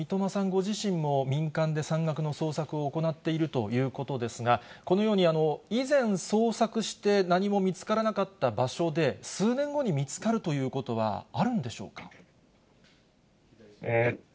ご自身も、民間で山岳の捜索を行っているということですが、このように以前、捜索して、何も見つからなかった場所で、数年後に見つかるということはあるんでしょうか。